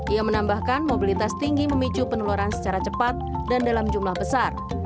ia menambahkan mobilitas tinggi memicu penularan secara cepat dan dalam jumlah besar